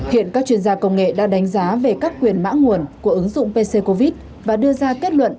hiện các chuyên gia công nghệ đã đánh giá về các quyền mã nguồn của ứng dụng pc covid và đưa ra kết luận